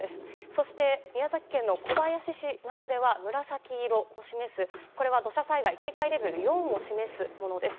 そして宮崎県の小林市などでは紫色を示すこれは土砂災害警戒レベル４を示すものです。